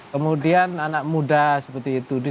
kemudian anak muda seperti itu